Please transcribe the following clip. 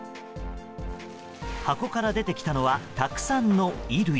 箱から出てきたのはたくさんの衣類。